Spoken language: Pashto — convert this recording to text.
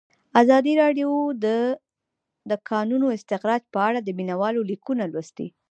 ازادي راډیو د د کانونو استخراج په اړه د مینه والو لیکونه لوستي.